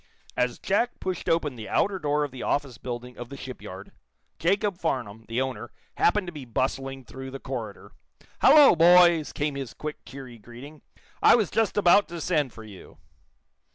As Jack pushed open the outer door of the office building of the shipyard, Jacob Farnum, the owner, happened to be bustling through the corridor. "Hallo, boys!" came his quick, cheery greeting. "I was just about to send for you."